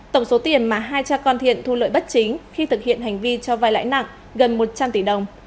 tổng số tiền mà hai cha con thiện thu lợi bất chính khi thực hiện hành vi cho vai lãi nặng gần một trăm linh tỷ đồng